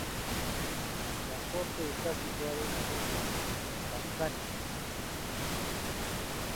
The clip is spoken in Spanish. La Corte está situada en Arusha, en Tanzania.